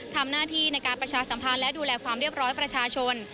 ทำหน้าที่ในการประชาสัมพันธ์และดูแลความเรียบร้อยประชาชน